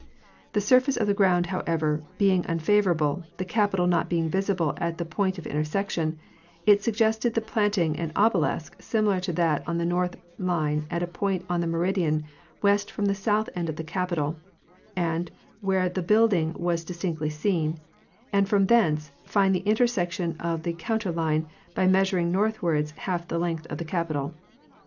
The surface of the ground, however, being unfavorable—the Capitol not being visible at the point of intersection—it suggested the planting an obelisk similar to that on the north line at a point on the meridian west from the south end of the Capitol and where the building was distinctly seen, and from thence find the intersection of the center line by measuring northwards half the length of the Capitol.